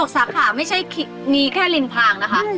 ๖สาขานี่ไม่ใช่แค่ลินทางนะคะ